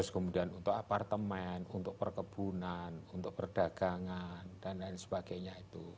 kemudian untuk apartemen untuk perkebunan untuk perdagangan dan lain sebagainya itu